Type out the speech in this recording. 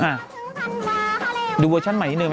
มันติดคุกออกไปออกมาได้สองเดือน